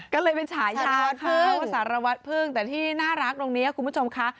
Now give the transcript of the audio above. ก็เลยเป็นฉายาวัดพึ่งว่าสารวัตรพึ่งแต่ที่น่ารักตรงนี้คุณผู้ชมค่ะ